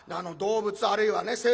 動物あるいはね